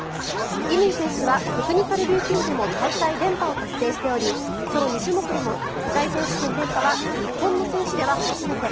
乾選手はテクニカルルーティンでも大会連覇を達成しておりソロ２種目での世界選手権連覇は日本の選手では初めて。